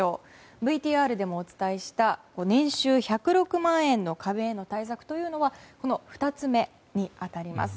ＶＴＲでもお伝えした年収１０６万円の壁への対策というのはこの２つ目に当たります。